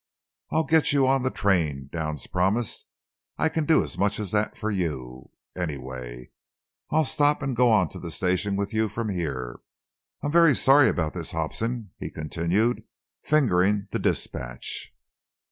"I'll get you on the train," Downs promised. "I can do as much as that for you, anyway. I'll stop and go on to the station with you from here. I'm very sorry about this, Hobson," he continued, fingering the dispatch.